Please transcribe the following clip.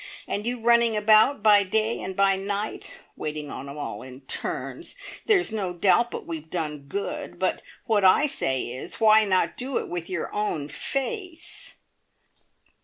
And you running about by day and by night, waiting on 'em all in turns. There's no doubt but we've done good, but what I say is why not do it with your own face?"